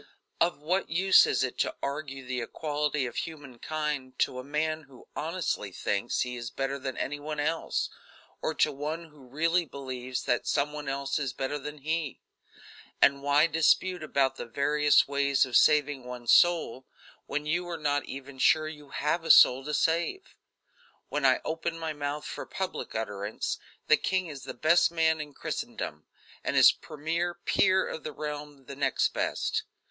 Of what use is it to argue the equality of human kind to a man who honestly thinks he is better than any one else, or to one who really believes that some one else is better than he; and why dispute about the various ways of saving one's soul, when you are not even sure you have a soul to save? When I open my mouth for public utterance, the king is the best man in Christendom, and his premier peer of the realm the next best.